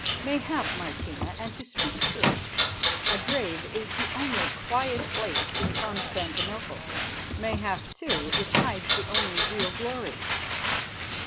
"Mayhap, Martina, and to speak truth, a grave is the only quiet place in Constantinople. Mayhap, too, it hides the only real glory."